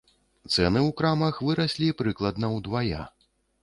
Цэны ў крамах выраслі прыкладна ўдвая.